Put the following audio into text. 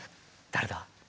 誰だ。